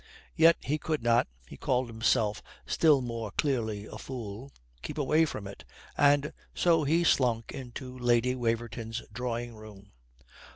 Yet he could not (he called himself still more clearly a fool) keep away from it, and so he slunk into Lady Waverton's drawing room.